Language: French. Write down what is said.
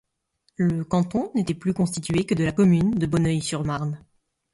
Le canton n'était plus constitué que de la commune de Bonneuil-sur-Marne.